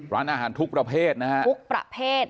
ร้านอาหารทุกประเภท